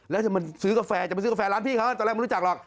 แล้วจะมาซื้อกาแฟจะไปซื้อกาแฟร้านพี่เขาตอนแรกไม่รู้จักหรอก